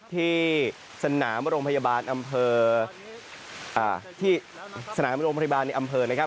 ที่สนามโรงพยาบาลอำเภอที่สนามโรงพยาบาลในอำเภอนะครับ